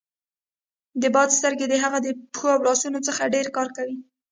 د بادار سترګې د هغه د پښو او لاسونو څخه ډېر کار کوي.